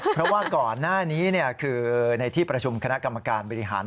เพราะว่าก่อนหน้านี้คือในที่ประชุมคณะกรรมการบริหาร